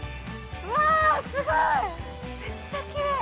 うわ、すごい！